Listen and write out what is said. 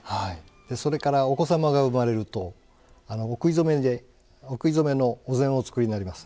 それからお子様が生まれるとお食い初めでお食い初めのお膳をお作りになります。